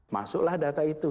masuklah data itu